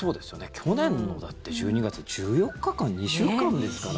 去年の１２月１４日間、２週間ですから。